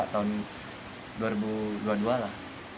tahun dua ribu dua puluh dua lah